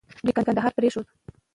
دوی کندهار پرېښود.